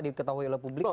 di ketahui oleh publik